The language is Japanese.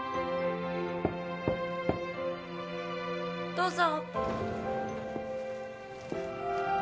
・どうぞ。